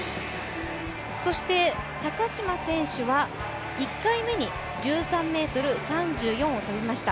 そして高島選手は１回目に１３ｍ３４を跳びました。